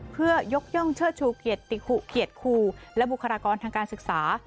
เพื่อยกย่องเชิดชูเกียรติติขุเกียรติครูและบุคลากรทางการศึกษา